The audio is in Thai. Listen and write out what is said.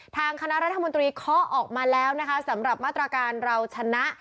ทางคณะรัฐมนตรีเคาะออกมาแล้วนะคะสำหรับมาตรการเราชนะ